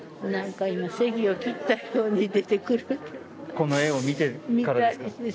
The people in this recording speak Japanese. この絵見てからですか？